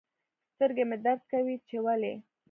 سترګي مي درد کوي چي ولي